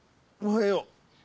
おはよう。